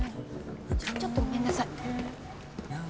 ちょっとごめんなさい。